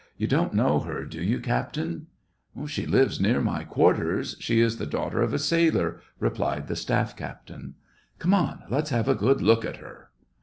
You don't know her, do you, captain .''"" She lives near my quarters ; she is the daugh ter of a sailor," replied the staff captain. Come on ; let's have a good look at her."